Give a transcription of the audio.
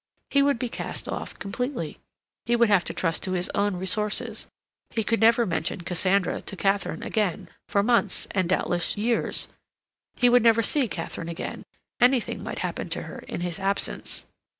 He would be cast off completely; he would have to trust to his own resources. He could never mention Cassandra to Katharine again; for months, and doubtless years, he would never see Katharine again; anything might happen to her in his absence.